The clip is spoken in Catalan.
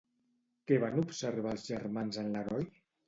Què van observar els germans en l'heroi?